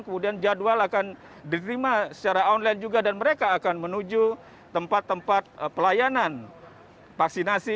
kemudian jadwal akan diterima secara online juga dan mereka akan menuju tempat tempat pelayanan vaksinasi